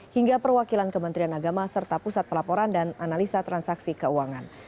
hingga perwakilan kementerian agama serta pusat pelaporan dan analisa transaksi keuangan